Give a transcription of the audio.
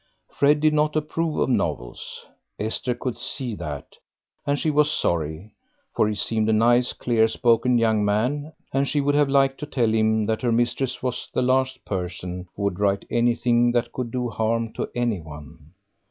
Fred did not approve of novels Esther could see that and she was sorry; for he seemed a nice, clear spoken young man, and she would have liked to tell him that her mistress was the last person who would write anything that could do harm to anyone.